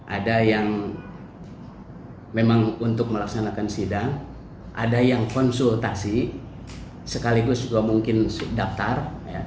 ada yang memang untuk melaksanakan sidang ada yang konsultasi sekaligus juga mungkin daftar